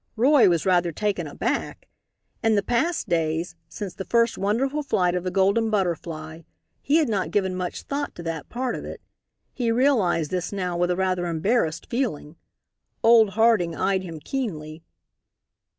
Roy was rather taken aback. In the past days since the first wonderful flight of the Golden Butterfly he had not given much thought to that part of it. He realized this now with a rather embarrassed feeling. Old Harding eyed him keenly.